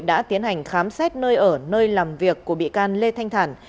đã tiến hành khám xét nơi ở nơi làm việc của bị can lê thanh thản